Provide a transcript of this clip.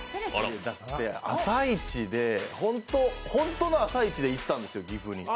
だって、朝一で本当の朝一で行ったんです、岐阜に。